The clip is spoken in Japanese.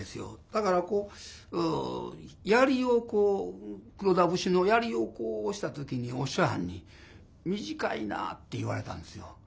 だからこう槍をこう「黒田節」の槍をこうした時にお師匠はんに「短いな」って言われたんですよ。